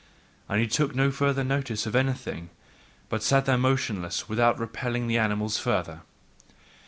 And he took no further notice of anything, but sat there motionless, without repelling the animals further.